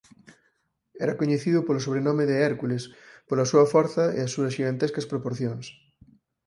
Era coñecido polo sobrenome de Hércules pola súa forza e as súas xigantescas proporcións.